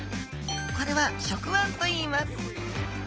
これは触腕といいます。